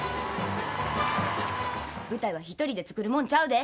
舞台は一人で作るもんちゃうで。